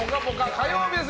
火曜日です。